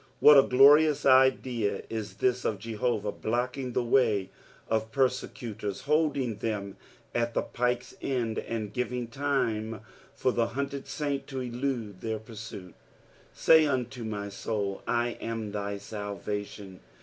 What a glorious idea is this of Jehovah blocking the way of persecutors, holding them at the pike's end, and giving time for the hunted saint to elude their pursuit I " Say unto my Kml, I am thy tatvation."